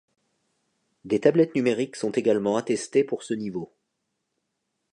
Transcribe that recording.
Des tablettes numériques sont également attestées pour ce niveau.